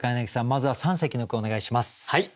まずは三席の句をお願いします。